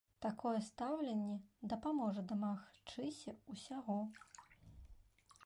Такое стаўленне дапаможа дамагчыся ўсяго!